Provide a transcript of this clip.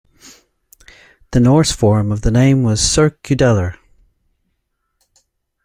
The Norse form of the name was "Surkudalr".